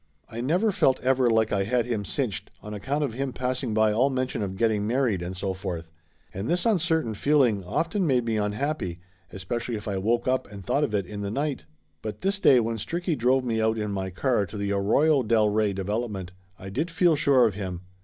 I never felt ever like I had him cinched, on account of him passing by all mention of getting married, and so forth. And this uncertain feel 228 Laughter Limited ing often made me unhappy, especially if I woke up and thought of it in the night. But this day when Stricky drove me out in my car to the Arroyo del Rey Development, I did feel sure of him.